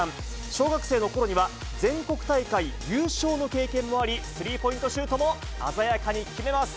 小学生のころには、全国大会優勝の経験もあり、スリーポイントシュートも鮮やかに決めます。